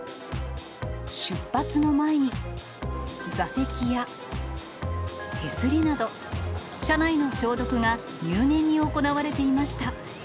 出発の前に、座席や手すりなど、車内の消毒が入念に行われていました。